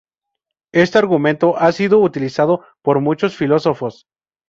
Este argumento ha sido utilizado por muchos filósofos.